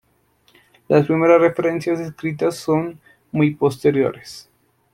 Las primeras referencias escritas son muy posteriores.